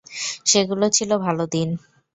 সেগুলো ছিলো ভালো দিন।